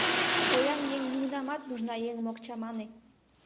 Поян еҥ нигунамат нужна еҥым ок чамане!